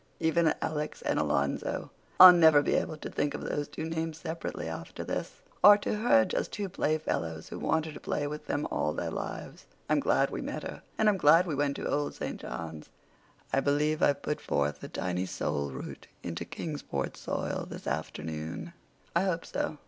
Even Alex and Alonzo—I'll never be able to think of those two names separately after this—are to her just two playfellows who want her to play with them all their lives. I'm glad we met her, and I'm glad we went to Old St. John's. I believe I've put forth a tiny soul root into Kingsport soil this afternoon. I hope so.